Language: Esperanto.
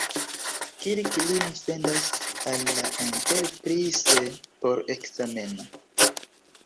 Kirk lin sendas al la "Enterprise" por ekzameno.